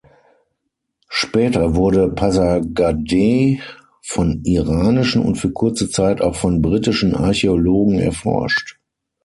Später wurde Pasargadae von iranischen und für kurze Zeit auch von britischen Archäologen erforscht.